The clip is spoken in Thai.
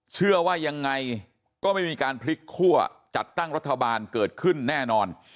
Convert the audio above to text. เชื่อว่ายังไงก็ไม่มีการพลิกคั่วจัดตั้งรัฐบาลเกิดขึ้นแน่นอน